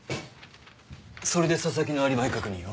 それで紗崎のアリバイ確認を？